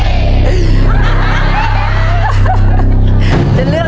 ชุดที่๔ห้อชุดที่๔